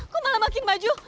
kok malah makin maju